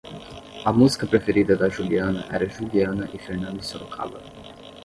A música preferida da Juliana era Juliana e Fernando e Sorocaba.